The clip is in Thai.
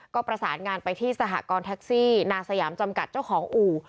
ก็ประสานงานไปที่สหกรณ์แท็กซี่นาสยามจำกัดเจ้าของอู่